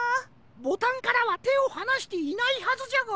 ボタンからはてをはなしていないはずじゃが。